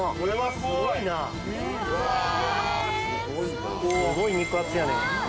・すごい肉厚やねん。